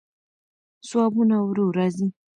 ځوابونه ورو راځي.